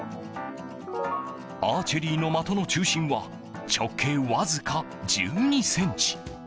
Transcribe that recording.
アーチェリーの的の中心は直径わずか１２ｃｍ。